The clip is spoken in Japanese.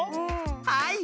はい。